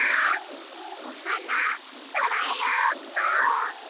おはなそろえようっと！